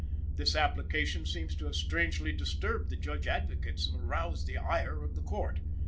This application seems to have strangely disturbed the Judge Advocates and aroused the ire of the Court.